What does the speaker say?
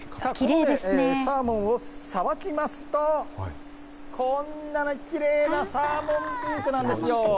サーモンをさばきますと、こんなきれいなサーモンピンクなんですよ。